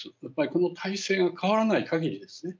やっぱりこの体制が変わらないかぎり